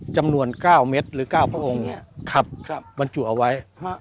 จำนวน๙เม็ดหรือ๙พระองค์เนี่ยขับบรรจุเอาไว้